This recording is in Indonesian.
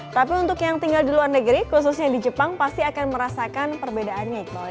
tapi untuk yang tinggal di luar negeri khususnya di jepang pasti akan merasakan perbedaannya iqbal